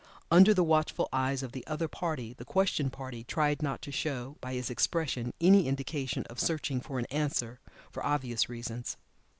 Under the watchful eyes of the other party the questioned party tried not to show by his expression any indication of searching for an answer, for obvious reasons.